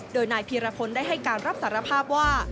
โดยนายพีรพลได้ให้การรับสารภาพว่า